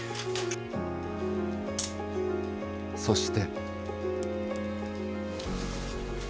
そして。